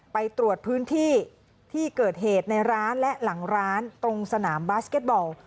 ไปตรวจพื้นที่ที่เกิดเหตุในร้านและหลังร้านตรงสนามบาสเก็ตบอล